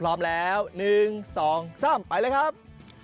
พร้อมแล้ว๑๒๓ไปเลยครับ